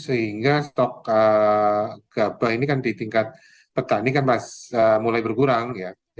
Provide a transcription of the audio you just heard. sehingga stok gabah di tingkat petani mulai berkurang